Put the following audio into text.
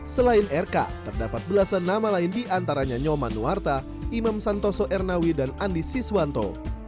selain rk terdapat belasan nama lain diantaranya nyoman nuwarta imam santoso ernawi dan andi siswanto